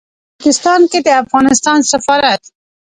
په تاجکستان کې د افغانستان سفارت